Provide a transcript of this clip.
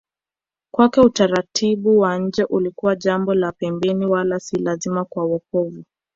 Kwake utaratibu wa nje ulikuwa jambo la pembeni wala si lazima kwa wokovu